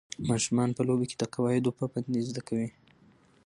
ماشومان په لوبو کې د قواعدو پابندۍ زده کوي.